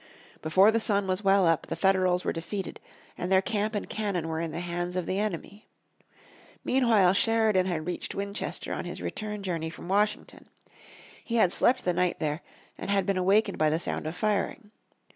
Before the sun was well up the Federals were defeated, and their camp and cannon were in the hands of the enemy. Meanwhile Sheridan had reached Winchester on his return journey from Washington. He had slept the night there, and had been awakened by the sound of firing.